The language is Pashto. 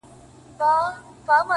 • هغه هرڅه د دې زرکي برکت وو ,